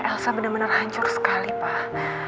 elsa bener bener hancur sekali pak